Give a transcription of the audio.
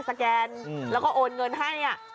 แกนแล้วก็โอนเงินให้